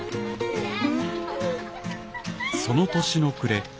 その年の暮れ